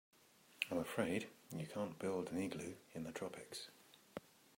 I'm afraid you can't build an igloo in the tropics.